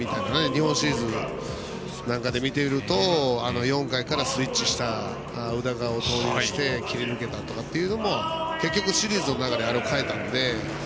日本シリーズで見ていると４回からスイッチした宇田川を投入して切り抜けたというのも結局シリーズの中であれ、代えたので。